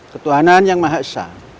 ketuhanan yang mahasiswa